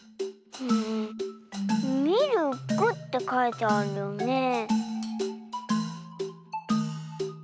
「みるく」ってかいてあるよねえ。